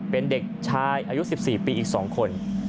เป็นเด็กชายอายุ๑๔ปีอีก๒คน